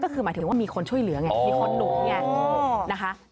ก็คือหมายถึงว่ามีคนช่วยเหลืองเนี่ยมีคนหนุนเนี่ย